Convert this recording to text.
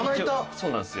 そうなんですよ。